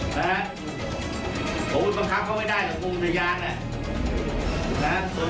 นะฮะผมไม่บัมคับเขาไม่ได้เหลือป